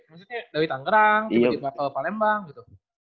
maksudnya dari tangerang ke palembang gitu